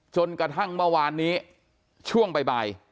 จนกระทั่งเมื่อวานนี้ช่วงบ่าย